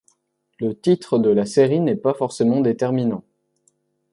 Le titre de la série n'est pas forcément déterminant.